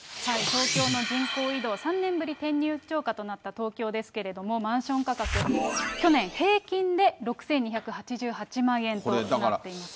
東京の人口移動、３年ぶり転入超過となった東京ですけれども、マンション価格、去年、平均で６２８８万円となっていますね。